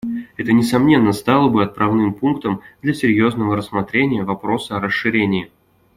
Это, несомненно, стало бы отправным пунктом для серьезного рассмотрения вопроса о расширении.